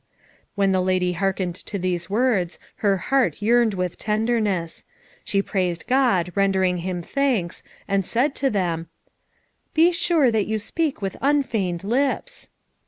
When the lady hearkened to these words her heart yearned with tenderness. She praised God, rendering Him thanks, and said to them, "Be sure that you speak with unfeigned lips."